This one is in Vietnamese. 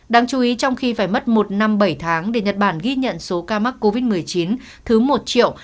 đáng chú ý trong khi phải mất một năm bảy tháng để nhật bản ghi nhận số ca mắc covid một mươi chín thứ một triệu